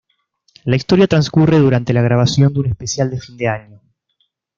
La historia transcurre durante la grabación de un especial de fin de año.